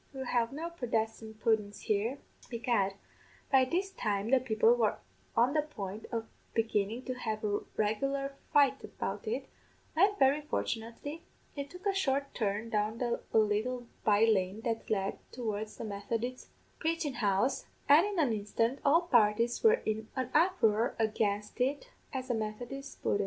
We'll have no Prodestan' puddens here.' "Begad, by this time the people were on the point of beginnin' to have a regular fight about it, when, very fortunately, it took a short turn down a little by lane that led towards the Methodist praichin house, an' in an instant all parties were in an uproar against it as a Methodist pudden.